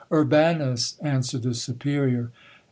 "Urbanus," answered the superior.